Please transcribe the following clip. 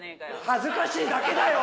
恥ずかしいだけだよ！